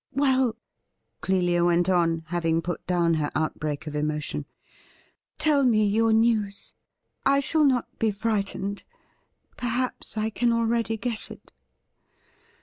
' Well,' Clelia went on, having put down her outbreak of emotion, ' tell me your news. I shall not be frightened. Perhaps I can already guess it.'